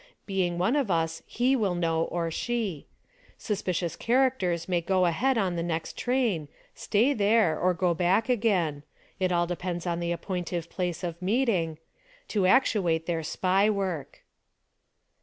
Being one of us he will know, or she. Suspicious characters may go ahead on the next train, stay there, or go back again — it all depends on the appointive place of meeting — to actuate their SPY work.